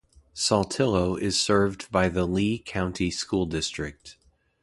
Saltillo is served by the Lee County School District.